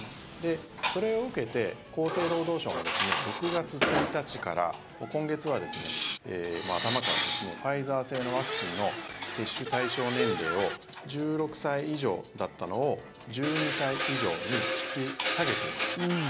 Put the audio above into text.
それを受けて、厚生労働省も６月１日から、今月の頭からファイザー製のワクチンの接種対象年齢を１６歳以上だったのを１２歳以上に引き下げています。